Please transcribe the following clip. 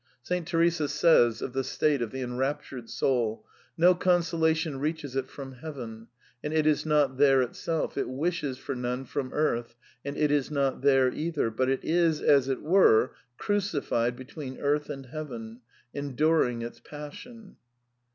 Saint Teresa says of the state of the enraptured soul :" No consolation reaches it from > heaven, and it is not there itself ; it wishes for none from earth, and it is not there either, but it is, as it were, cruci fied between earth and heaven, enduring its passion."